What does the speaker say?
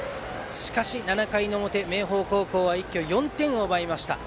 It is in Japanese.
しかし７回表、明豊高校は一挙４点を奪いました。